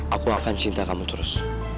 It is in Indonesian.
aku akan cinta kamu terus